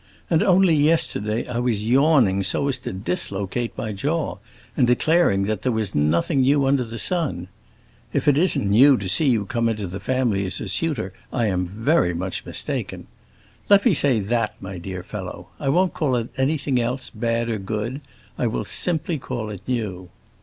And only yesterday I was yawning so as to dislocate my jaw, and declaring that there was nothing new under the sun! If it isn't new to see you come into the family as a suitor, I am very much mistaken. Let me say that, my dear fellow; I won't call it anything else, bad or good; I will simply call it new."